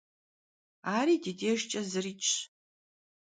Ari di dêjjç'e zıriç'ş.